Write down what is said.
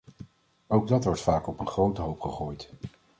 Ook dat wordt vaak op een grote hoop gegooid.